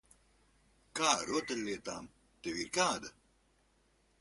Kā ar rotaļlietām? Tev ir kāda?